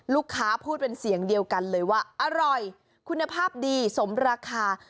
ลูกค้าพูดเป็นเสียงเดียวกันเลยว่าอร่อยคุณภาพดีสมราคา